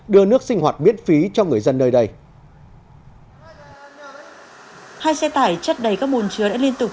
đưa nước sinh hoạt miễn phí cho người dân nơi đây hai xe tải chất đầy các bồn chứa đã liên tục